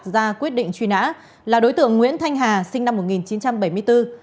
ra quyết định truy nã là đối tượng nguyễn thanh hà sinh năm một nghìn chín trăm bảy mươi bốn